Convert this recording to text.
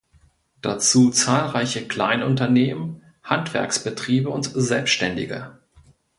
Dazu zahlreiche Kleinunternehmen, Handwerksbetriebe und Selbstständige.